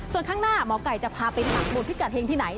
ส่วนข้างหน้าหมอไก่จะพาไปหมักบุตรพิกัดเฮงที่ไหน